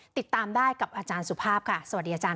ติดตามได้กับอาจารย์สุภาพค่ะสวัสดีอาจาร